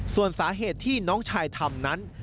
ส่วนสาเหตุที่น้องชายทำนั้น